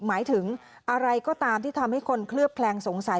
หมายถึงอะไรก็ตามที่ทำให้คนเคลือบแคลงสงสัย